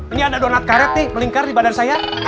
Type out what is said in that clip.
ini ada donat karet nih melingkar di badan saya